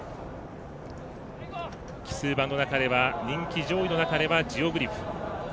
奇数番の中では人気上位の中ではジオグリフ。